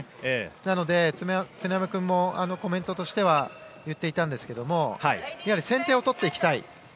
なので、常山君もコメントとして言っていたんですが先手を取っていきたい。